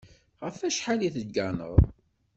Ɣef wacḥal i tegganeḍ?